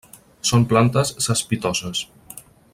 Són plantes cespitoses.